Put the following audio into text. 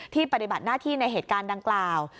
ปฏิบัติหน้าที่ในเหตุการณ์ดังกล่าว